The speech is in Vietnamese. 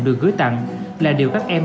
được gửi tặng là điều các em